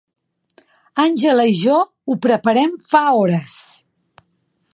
Angela i jo ho preparem fa hores.